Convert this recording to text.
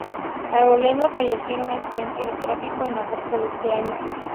Arboleda falleció en un accidente de tráfico en agosto de ese año.